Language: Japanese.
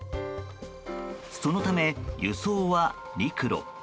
そのため、輸送は陸路。